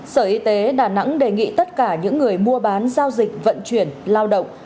sở y tế đà nẵng đề nghị tất cả những người mua bán giao dịch vận chuyển lao động